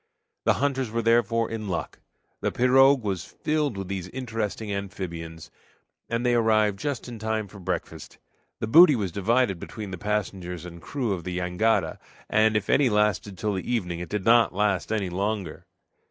The hunters were therefore in luck. The pirogue was filled with these interesting amphibians, and they arrived just in time for breakfast. The booty was divided between the passengers and crew of the jangada, and if any lasted till the evening it did not last any longer.